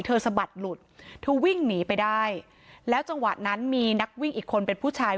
สะบัดหลุดเธอวิ่งหนีไปได้แล้วจังหวะนั้นมีนักวิ่งอีกคนเป็นผู้ชาย